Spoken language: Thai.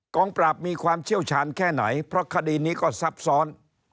งปราบมีความเชี่ยวชาญแค่ไหนเพราะคดีนี้ก็ซับซ้อน